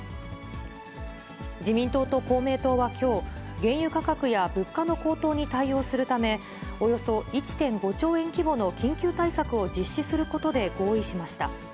自民党と公明党はきょう、原油価格や物価の高騰に対応するため、およそ１．５兆円規模の緊急対策を実施することで合意しました。